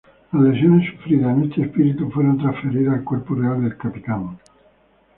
Las lesiones sufridas en este espíritu fueron transferidas al cuerpo real del Capitán.